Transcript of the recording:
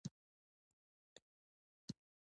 هغه غواړي د هند پر لور پرمختګ وکړي.